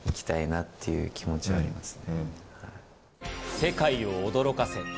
世界を驚かせ。